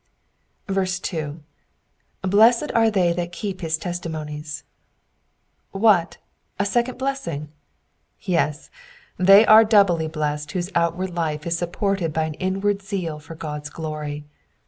2. ^^ Blessed are they that keep his testimonies.''^ What! A second blessing? Yes, they are doubly blessed whose outward life is supported by an inward zeal for GocVs glory.